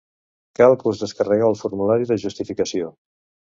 Cal que us descarregueu el formulari de justificació.